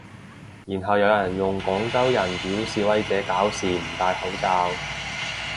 然後有人用廣州人屌示威者搞事唔戴口罩